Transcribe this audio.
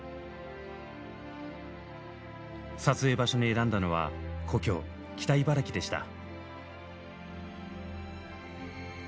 撮影場所に選んだのは故郷北茨城でした。